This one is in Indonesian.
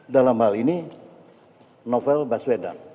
dalam hal ini novel baswedan